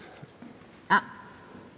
あっ